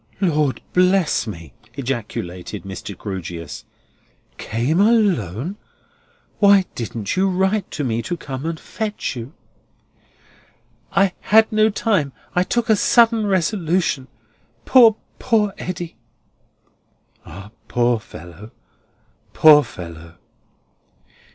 "Lord bless me!" ejaculated Mr. Grewgious. "Came alone! Why didn't you write to me to come and fetch you?" "I had no time. I took a sudden resolution. Poor, poor Eddy!" "Ah, poor fellow, poor fellow!"